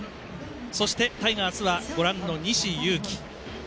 そして、タイガースはご覧の西勇輝。